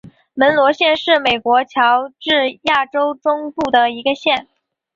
门罗县是美国乔治亚州中部的一个县。